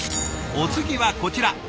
お次はこちら。